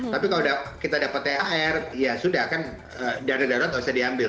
tapi kalau kita dapat thr ya sudah kan dana darurat nggak usah diambil